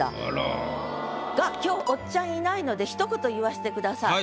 が今日おっちゃんいないので一言言わせてください。